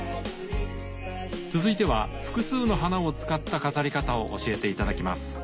続いては複数の花を使った飾り方を教えて頂きます。